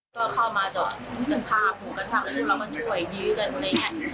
ก็เข้ามาจบกระชาปหูกระชาปแล้วทุกคนมาช่วยยืนกันเลย